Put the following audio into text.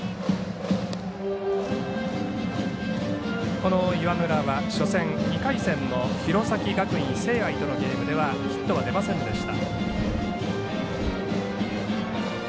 この岩村は初戦、２回戦の弘前学院聖愛とのゲームではヒットは出ませんでした。